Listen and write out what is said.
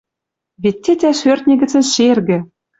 Вет тетя шӧртньӹ гӹцӹн шергӹ!